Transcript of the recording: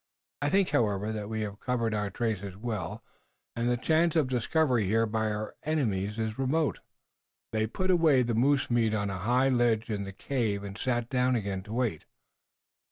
I think, however, that we have covered our traces well, and the chance of discovery here by our enemies is remote." They put away the moose meat on a high ledge in the cave, and sat down again to wait.